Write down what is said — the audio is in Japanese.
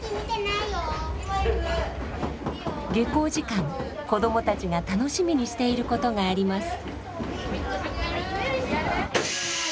下校時間子どもたちが楽しみにしていることがあります。